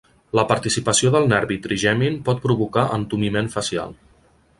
La participació del nervi trigemin pot provocar entumiment facial.